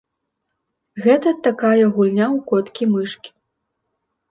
Гэта такая гульня ў коткі-мышкі.